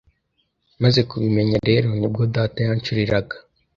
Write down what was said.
Maze kubimenya rero nibwo data yanshoreraga